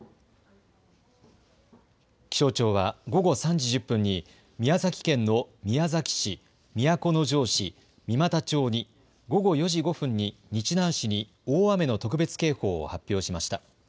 気象庁は、午後３時１０分に宮崎県の宮崎市、都城市、三股町に、午後４時５分に日南市に大雨の特別警報を発表しました。